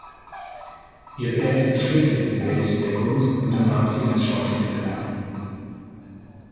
Ihre ersten Schritte in die Welt der Kunst unternahm sie als Schauspielerin.